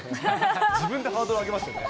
自分でハードル上げましたね。